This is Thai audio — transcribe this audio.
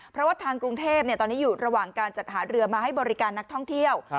เพราะว่าทางกรุงเทพตอนนี้อยู่ระหว่างการจัดหาเรือมาให้บริการนักท่องเที่ยว